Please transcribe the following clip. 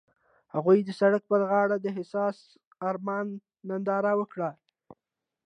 هغوی د سړک پر غاړه د حساس آرمان ننداره وکړه.